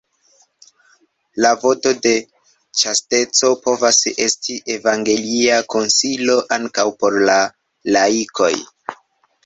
La voto de ĉasteco povas esti evangelia konsilo ankaŭ por la laikoj.